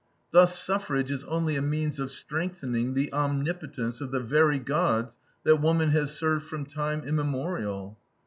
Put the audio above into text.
Thus suffrage is only a means of strengthening the omnipotence of the very Gods that woman has served from time immemorial.